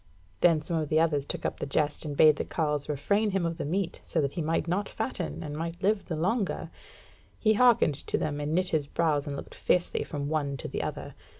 Then some of the others took up the jest, and bade the carle refrain him of the meat, so that he might not fatten, and might live the longer. He hearkened to them, and knit his brows and looked fiercely from one to the other.